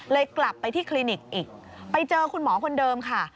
กลับไปที่คลินิกอีกไปเจอคุณหมอคนเดิมค่ะ